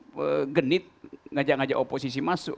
mengajak ajak oposisi masuk